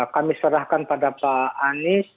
kami serahkan pada pak anies